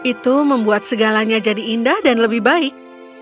itu membuat segalanya jadi indah dan lebih baik